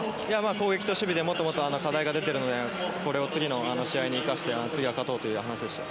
攻撃と守備で課題が出ているのでこれを次の試合に生かして次は勝とうという話でした。